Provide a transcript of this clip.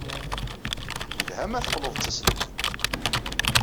Yelha ma teqqled d taselmadt.